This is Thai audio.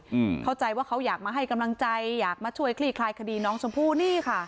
อืมเข้าใจว่าเขาอยากมาให้กำลังใจอยากมาช่วยคลี่คลายคดีน้องชมพู่นี่ค่ะ